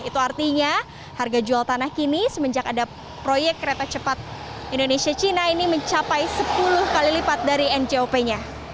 itu artinya harga jual tanah kini semenjak ada proyek kereta cepat indonesia cina ini mencapai sepuluh kali lipat dari njop nya